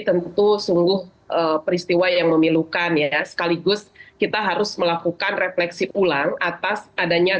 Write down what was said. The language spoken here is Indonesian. tentu sungguh peristiwa yang memilukan ya sekaligus kita harus melakukan refleksi ulang atas adanya